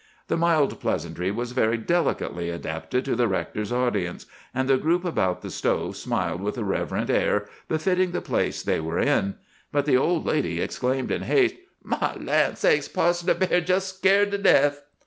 "The mild pleasantry was very delicately adapted to the rector's audience, and the group about the stove smiled with a reverent air befitting the place they were in; but the old lady exclaimed in haste,— "'My land sakes, Parson, a bear'd be jest scared to death!